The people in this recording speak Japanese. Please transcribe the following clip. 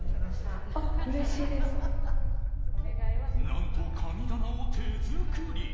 何と神棚を手作り。